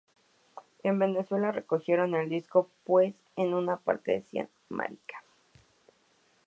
En Venezuela recogieron el disco pues en una parte decía "marica".